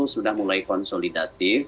sudah mulai konsolidatif